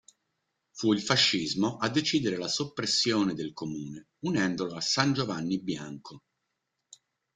Fu il fascismo a decidere la soppressione del comune unendolo a San Giovanni Bianco.